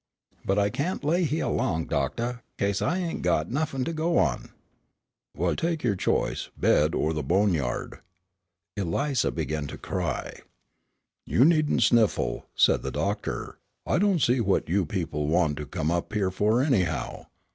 "But I can't lay hyeah long, doctah, case I ain't got nuffin' to go on." "Well, take your choice: the bed or the boneyard." Eliza began to cry. "You needn't sniffle," said the doctor; "I don't see what you people want to come up here for anyhow.